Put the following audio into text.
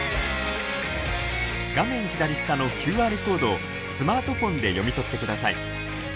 画面左下のＱＲコードをスマートフォンで読み取ってください。